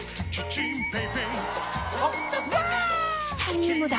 チタニウムだ！